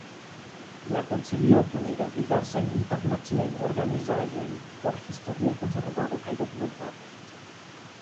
La konsilio kunigas diversajn internaciajn organizaĵojn por historia konservado kaj dokumentado.